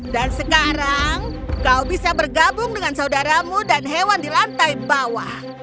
sekarang kau bisa bergabung dengan saudaramu dan hewan di lantai bawah